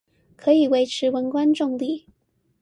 可以維持文官中立